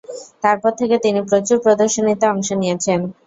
তারপর থেকে তিনি প্রচুর প্রদর্শনীতে অংশ নিয়েছেন।